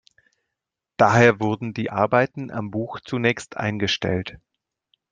Daher wurden die Arbeiten am Buch zunächst eingestellt.